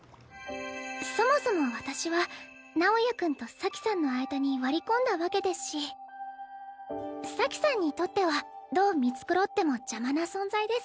そもそも私は直也君と咲さんの間に割り込んだわけですし咲さんにとってはどう見繕っても邪魔な存在です。